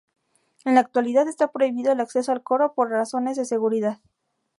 En la actualidad está prohibido el acceso al coro por razones de seguridad.